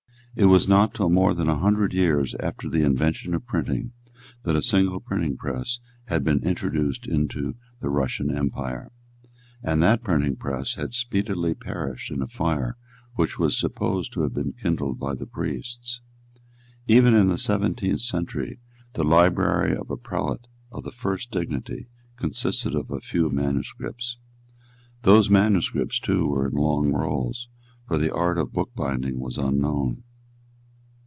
It was not till more than a hundred years after the invention of printing that a single printing press had been introduced into the Russian empire; and that printing press had speedily perished in a fire which was supposed to have been kindled by the priests. Even in the seventeenth century the library of a prelate of the first dignity consisted of a few manuscripts. Those manuscripts too were in long rolls; for the art of bookbinding was unknown.